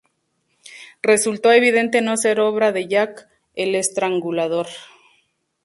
Resultó evidente no ser obra de "Jack, el estrangulador".